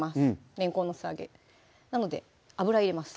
れんこんの素揚げなので油入れます